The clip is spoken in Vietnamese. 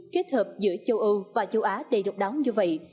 kết hợp giữa châu âu và châu á đầy độc đáo như vậy